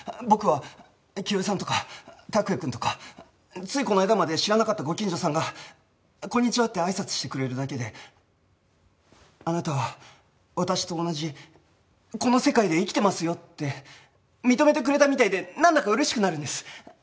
僕は清江さんとか託也くんとかついこの間まで知らなかったご近所さんが「こんにちは」ってあいさつしてくれるだけで「あなたは私と同じこの世界で生きてますよ」って認めてくれたみたいでなんだか嬉しくなるんです。